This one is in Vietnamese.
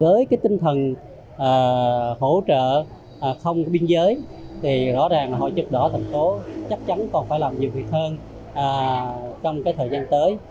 với tinh thần hỗ trợ không biên giới thì rõ ràng hội chức đỏ thành phố chắc chắn còn phải làm nhiều việc hơn trong thời gian tới